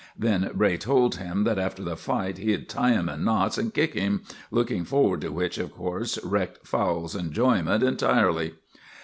Then Bray told him that after the fight he'd tie him in knots and kick him, looking forward to which, of course, wrecked Fowle's enjoyment entirely.